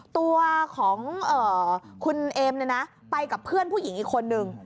ตัวของคุณเอมไปกับเพื่อนผู้หญิงอีกคนนึง